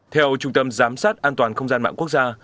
theo trung tâm giám sát an toàn không gian mạng quốc gia